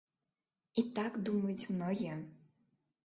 І так думаюць многія.